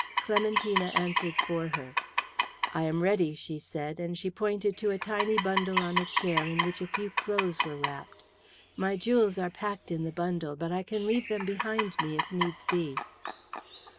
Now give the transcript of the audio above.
Clementina answered for her. "I am ready," she said, and she pointed to a tiny bundle on a chair in which a few clothes were wrapped. "My jewels are packed in the bundle, but I can leave them behind me if needs be."